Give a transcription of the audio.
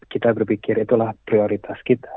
kita berpikir itulah prioritas kita